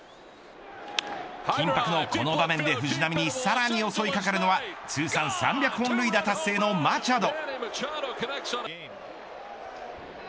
緊迫のこの場面で藤浪にさらに襲いかかるのは通算３００本塁打達成のマチャド。